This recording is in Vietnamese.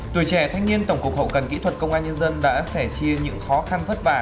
tuổi trẻ thanh niên tổng cục hậu cần kỹ thuật công an nhân dân đã sẻ chia những khó khăn vất vả